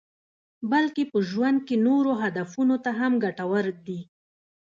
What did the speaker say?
بلکې په ژوند کې نورو هدفونو ته هم ګټور دي.